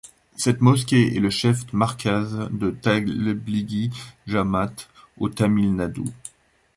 Cette mosquée est le chef Markaz de Tablighi Jamaat au Tamil Nadu.